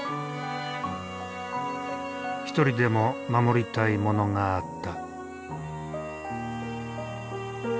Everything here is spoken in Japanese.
一人でも守りたいものがあった。